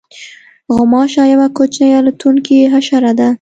غوماشه یوه کوچنۍ الوتونکې حشره ده.